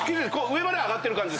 上まで上がってる感じ。